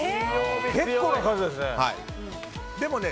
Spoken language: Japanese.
結構な数ですね。